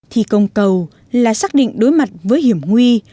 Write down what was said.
thi công cầu là xác định đối mặt với hiểm nguy